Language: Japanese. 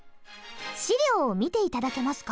「資料を見ていただけますか？」